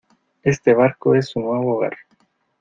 este barco es su nuevo hogar